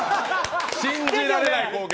信じられない光景。